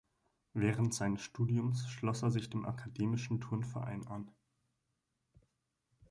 Während seines Studiums schloss er sich dem Akademischen Turnverein an.